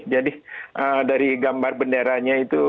jadi dari gambar benderanya itu